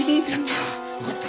よかった。